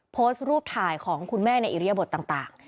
โพสต์รูปถ่ายของคุณแม่ในอิริยบทต่าง